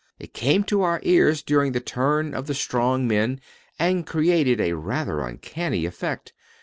It came to our ears during the turn of the strong men and created a rather uncanny effect.